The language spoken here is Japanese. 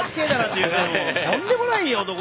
とんでもない男。